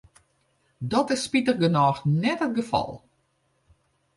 Dat is spitich genôch net it gefal.